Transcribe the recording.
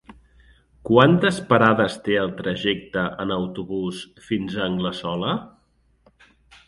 Quantes parades té el trajecte en autobús fins a Anglesola?